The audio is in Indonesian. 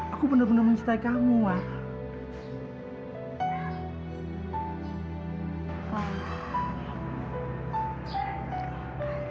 aku bener bener mencintai kamu mak